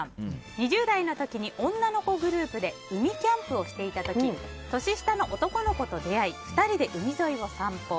２０代の時に女の子グループで海キャンプをしていた時年下の男の子と出会い２人で海沿いを散歩。